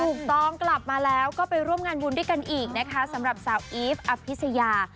ถูกต้องกลับมาแล้วก็ไปร่วมงานบุญด้วยกันอีกนะคะสำหรับสาวอีฟอภิษยา